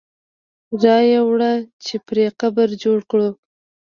را یې وړه چې پرې قبر جوړ کړو.